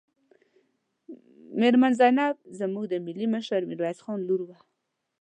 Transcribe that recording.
میرمن زینب زموږ د ملي مشر میرویس خان لور وه.